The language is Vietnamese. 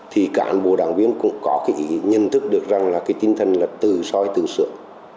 thì cán bộ đảng viên cũng có cái ý nhận thức được rằng là cái tinh thần là từ soi từ sửa